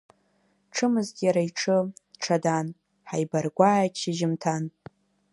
Ҽымызт иара иҽы, ҽадан, ҳаибаргәааит шьыжьымҭан.